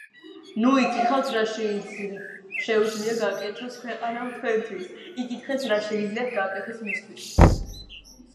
ნუ იკითხავთ რა შეუძლია გააკეთოს ქვეყანამ თქვენთვის, იკითეთ, რა შეგიძლიათ გააკეთოთ მისთვის”,,